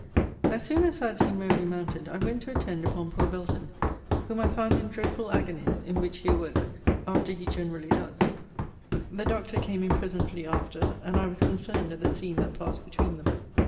As soon as I had seen Mowbray mounted, I went to attend upon poor Belton; whom I found in dreadful agonies, in which he awoke, after he generally does. The doctor came in presently after, and I was concerned at the scene that passed between them.